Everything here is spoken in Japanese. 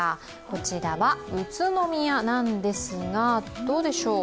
こちらは宇都宮なんですが、どうでしょう。